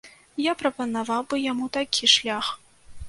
Я прапанаваў бы яму такі шлях.